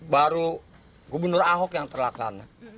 baru gubernur ahok yang terlaksana